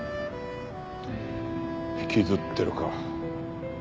引きずってるか。